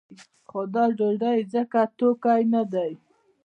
خو دا ډوډۍ ځکه توکی نه دی.